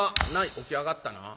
「起きやがったな。